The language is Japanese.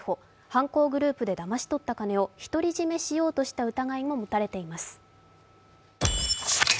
犯行グループでだまし取った金を独り占めしようとした疑いも持たれています。